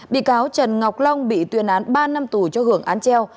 bị cáo trần ngọc long bị tuyên án ba năm tù cho hưởng án treo